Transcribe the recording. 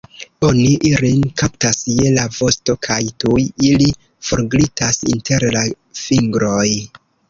Oni ilin kaptas je la vosto, kaj tuj ili forglitas inter la fingroj!